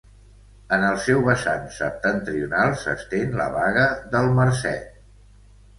En el seu vessant septentrional s'estén la Baga del Marcet.